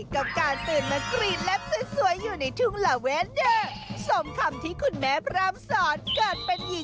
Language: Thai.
โปรดติดตามต่อไป